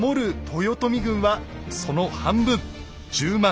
豊臣軍はその半分１０万。